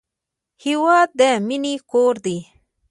هېواد د مینې کور دی.